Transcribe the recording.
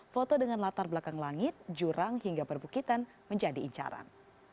foto dengan latar belakang langit jurang hingga perbukitan menjadi incaran